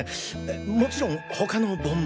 もちろん他の盆も。